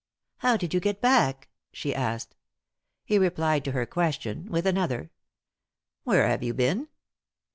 " How did you get back ?" she asked. He replied to her question with another. "Where have you been